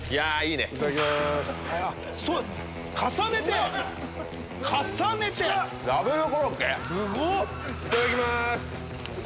いただきます。